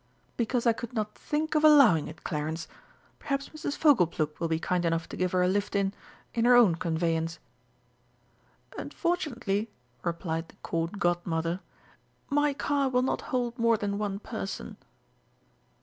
"Because I could not think of allowing it, Clarence. Perhaps Mrs. Fogleplug will be kind enough to give her a lift in in her own conveyance." "Unfortunately," replied the Court Godmother, "my car will not hold more than one person."